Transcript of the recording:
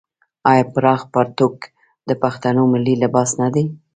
آیا پراخ پرتوګ د پښتنو ملي لباس نه دی؟